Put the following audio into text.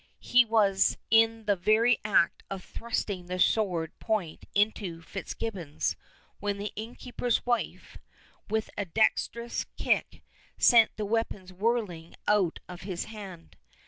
He was in the very act of thrusting the sword point into Fitzgibbons, when the innkeeper's wife, with a dexterous kick, sent the weapon whirling out of his hand.